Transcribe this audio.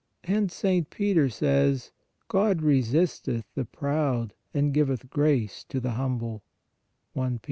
Hence St. Peter says :" God resisteth the proud, and giveth grace to the humble" (I Pet.